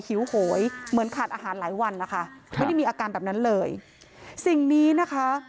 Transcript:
หิวโหยเหมือนขาดอาหารหลายวันนะคะไม่ได้มีอาการแบบนั้นเลยสิ่งนี้นะคะ